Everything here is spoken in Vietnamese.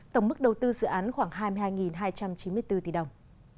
tổng mức đầu tư dự án khoảng hai mươi hai hai trăm chín mươi bốn tỷ đồng